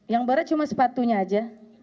yang barat cuma sepatunya aja